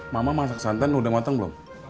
mama masak santan udah motong belum